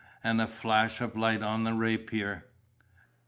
and a flash of light on a rapier....